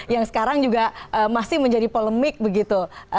yang sekarang juga masih menjadi polemik begitu